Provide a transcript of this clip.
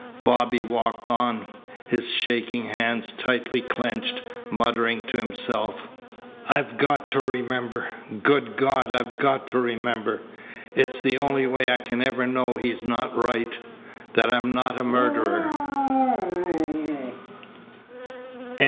Bobby walked on, his shaking hands tightly clenched, muttering to himself: "I've got to remember. Good God! I've got to remember. It's the only way I can ever know he's not right, that I'm not a murderer."